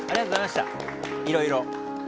いろいろ。